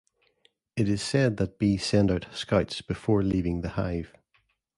It is said that bees send out scouts before leaving the hive.